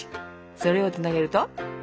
それをつなげると？